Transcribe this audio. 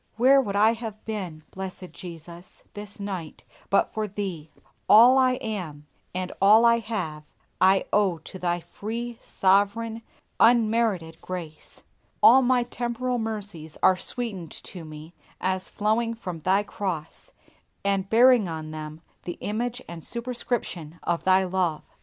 Where would I have been, Blessed Jesus! this night, but for Thee! All I am, and all I have, I owe to Thy free, sovereign, unmerited grace. All my temporal mercies are sweetened to me as flowing from Thy cross, and bearing on them the image and superscription of Thy love.